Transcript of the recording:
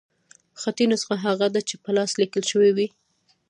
خطي نسخه هغه ده، چي په لاس ليکل سوې يي.